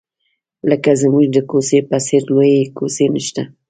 لکه زموږ د کوڅې په څېر لویې کوڅې نشته.